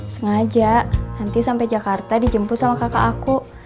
sengaja nanti sampai jakarta dijemput sama kakak aku